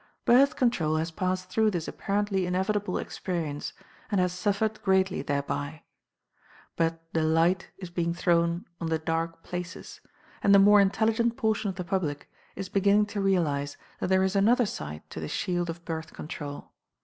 Birth Control has passed through this apparently inevitable experience, and has suffered greatly thereby. But the Light is being thrown on the Dark Places, and the more intelligent portion of the public is beginning to realize that there is another side to the shield of Birth Control.